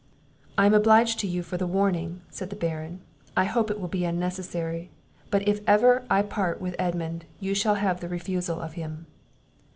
"I am obliged to you for the warning," said the Baron, "I hope it will be unnecessary; but if ever I part with Edmund, you shall have the refusal of him."